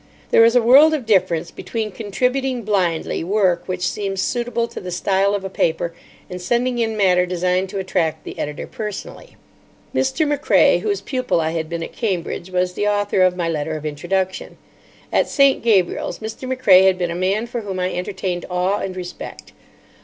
There is a world of difference between contributing blindly work which seems suitable to the style of a paper and sending in matter designed to attract the editor personally. Mr. Macrae, whose pupil I had been at Cambridge, was the author of my letter of introduction. At St. Gabriel's, Mr. Macrae had been a man for whom I entertained awe and respect.